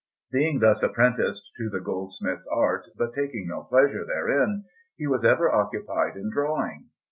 Being thus apprenticed to the goldsmith's art, but taking no pleasure therein, he was ever occupied in drawing.